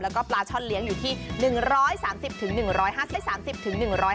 แล้วก็ปลาช่อนเลี้ยงอยู่ที่๑๓๐๑๕๐๓๐